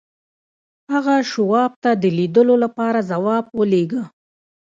هغه شواب ته د لیدلو لپاره ځواب ولېږه